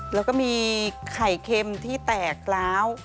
เราก็มีไข่เค็มที่แตกแล้ว